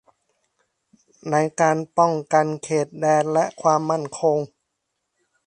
ในการป้องกันเขตแดนและความมั่นคง